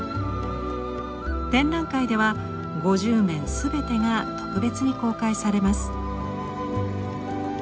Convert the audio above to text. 展覧会では５０面全てが特別に公開されます。